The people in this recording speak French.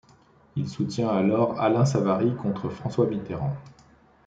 Il soutient alors Alain Savary contre François Mitterrand.